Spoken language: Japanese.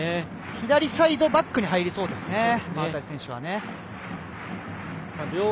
左サイドバックに入りそうですね。